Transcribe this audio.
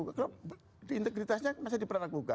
kalau integritasnya masih diperlakukan